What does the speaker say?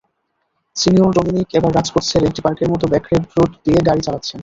Senior Dominic এবার রাজপথ ছেড়ে একটি পার্কের মতো ব্যাকরোড দিয়ে গাড়ি চালাচ্ছেন।